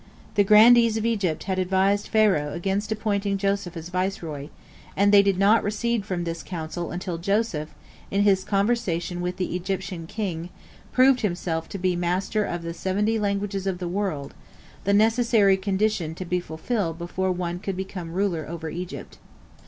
The grandees of Egypt had advised Pharaoh against appointing Joseph as viceroy, and they did not recede from this counsel until Joseph, in his conversation with the Egyptian king, proved himself to be master of the seventy languages of the world, the necessary condition to be fulfilled before one could become ruler over Egypt.